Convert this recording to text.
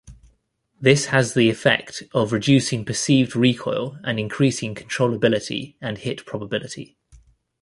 This has the effect of reducing perceived recoil and increasing controllability and hit probability.